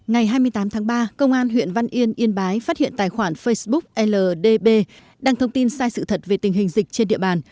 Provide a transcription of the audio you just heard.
ngày hai mươi tám tháng ba công an huyện văn yên yên bái phát hiện tài khoản facebook ldb đăng thông tin sai sự thật về tình hình dịch trên địa bàn